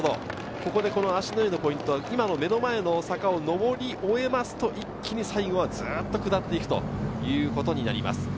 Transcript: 芦之湯のポイントでは目の前の坂を上り終えますと、一気に最後はずっと下っていくということになります。